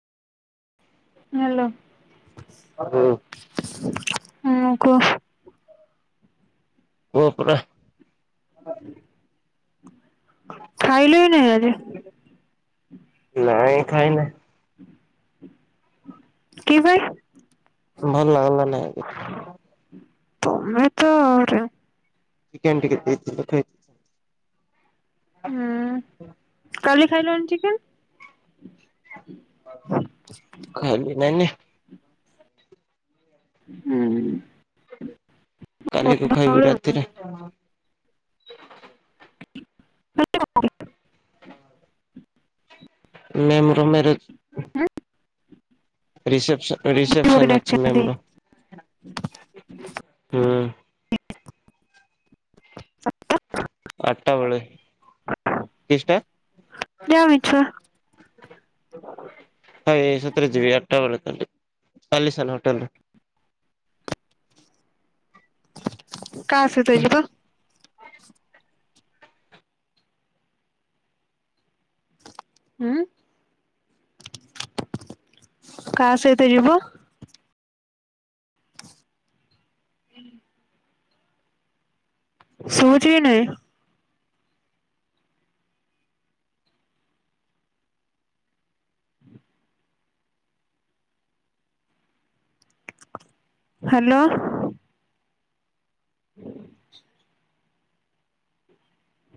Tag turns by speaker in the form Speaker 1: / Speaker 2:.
Speaker 1: Hello.
Speaker 2: ହୁଁ।
Speaker 1: ହଁ କୁହ।
Speaker 2: [unintelligible]
Speaker 1: ଖାଇଲେଣି ଆଜି?
Speaker 2: ନାଇଁ ଖାଇନି।
Speaker 1: କି ପାଇଁ?
Speaker 2: ଭଲ ଲାଗୁନି। [unintelligible]
Speaker 1: ତମେ ତ। [unintelligible]
Speaker 2: ଚିକେନ୍ ଟିକେ ଦେଇଥିଲେ ଖାଇ
Speaker 1: ହୁଁ। କାଲି ଖାଇଲାନି ଚିକେନ୍?
Speaker 2: ଖାଇଲି ନାଇଁ ନେ।
Speaker 1: ହୁଁ।
Speaker 2: କାଲିକୁ ଖାଇବି ରାତିରେ
Speaker 1: [unintelligible]
Speaker 2: ମେମ୍ ର ମ୍ୟାରେଜ୍ ରିସେପସନ୍ ରିସେପସନ୍ ଅଛି ମେମ୍ ର। ହୁଁ
Speaker 1: [unintelligible]
Speaker 2: ଆଟ ଟା ବେଳେ। କିସ ଟା
Speaker 1: ଯା ମିଛୁଆ।
Speaker 2: ହାଏ ସତରେ ଯିବି ଆଠଟା ବେଳେ କାଲି। କାଲି ସାଢ଼େ ନ ଟା
Speaker 1: କାହା ସହିତ ଯିବ? ଉଁ କାହା ସହିତ ଯିବ? ହୁଁ। ଶୁଭୁଚି କି ନାହିଁ। ହ୍ୟାଲୋ। ହୁଁ